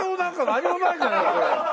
何もないじゃないそれ。